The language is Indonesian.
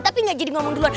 tapi gak jadi ngomong duluan